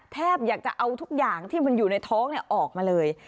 แทบอยากจะเอาทุกอย่างที่มันอยู่ในท้องออกมาเลย